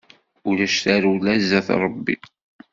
Ulac tarewla zdat Ṛebbi.